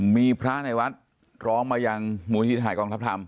มีพระในวัดร้องมาอย่างหมวดพิสุทธิ์หากองทัพทำ